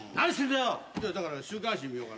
だから週刊誌見ようかなと。